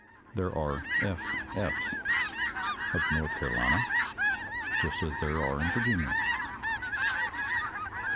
There are " F. F's." of North Caro lina, just as there are of Virginia.